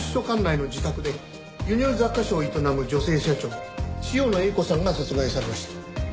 管内の自宅で輸入雑貨商を営む女性社長塩野栄子さんが殺害されました。